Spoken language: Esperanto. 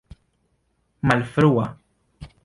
malfrua